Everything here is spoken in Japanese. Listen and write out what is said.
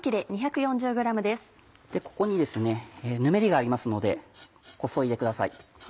ここにぬめりがありますのでこそいでください。